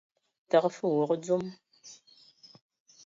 Təgə fəg wog dzom.